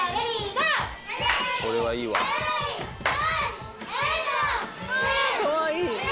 「かわいい！」